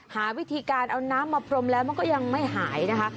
หาวิธีการเอาน้ำมาพรมแล้วมันก็ยังไม่หายนะคะ